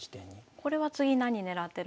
これは次何狙ってるんですか？